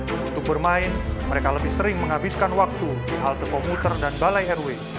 untuk bermain mereka lebih sering menghabiskan waktu di halte komuter dan balai rw